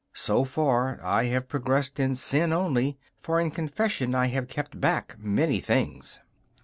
So far I have progressed in sin only; for in confession I have kept back many things.